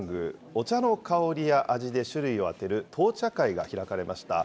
お茶の香りや味で種類を当てる闘茶会が開かれました。